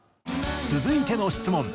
続いての質問。